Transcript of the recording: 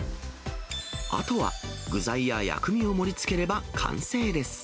あとは具材や薬味を盛りつければ完成です。